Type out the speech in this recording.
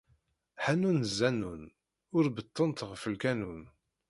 Ḥanun zanun, ur beṭṭunt ɣef lkanun.